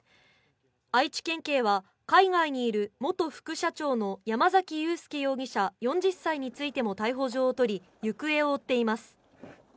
愛知県警は海外にいる元副社長の山崎裕輔容疑者４０歳についても逮捕状を取り、行方を追っています